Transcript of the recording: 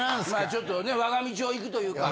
ちょっとね我が道を行くというか。